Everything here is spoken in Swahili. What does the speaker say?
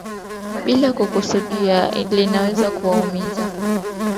bila kukusudia linaweza kuwaumiza Nikita Nikiforov mkurugenzi wa